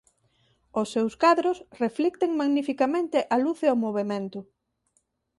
Os seus cadros reflicten magnificamente a luz e o movemento.